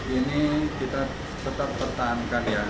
ini kita tetap pertahankan ya